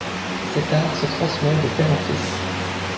Cet art se transmets de père en fils.